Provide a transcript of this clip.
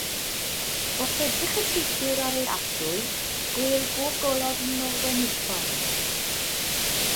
Os edrych y teithiwr ar ei aswy, gwêl gofgolofn o wenithfaen.